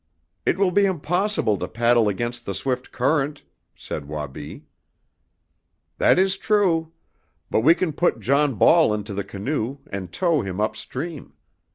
"It will be impossible to paddle against the swift current," said Wabi. "That is true. But we can put John Ball into the canoe and tow him up stream.